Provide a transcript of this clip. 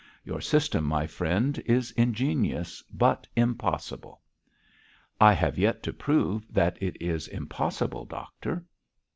Your system, my friend, is ingenious, but impossible.' 'I have yet to prove that it is impossible, doctor.'